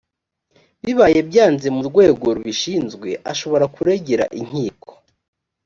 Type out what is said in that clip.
bibaye byanze mu rwego rubishinzwe ashobora kuregera inkiko